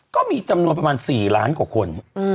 ก็มีจำนวนประมาณ๔ล้านกว่าคน